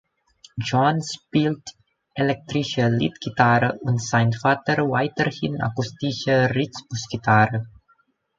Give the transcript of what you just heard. John spielt elektrische Leadgitarre und sein Vater weiterhin akustische Rhythmusgitarre.